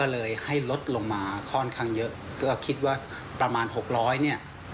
เลยให้ลดลงมาค่อนข้างเยอะเพื่อคิดว่าประมาณ๖๐๐เนี่ย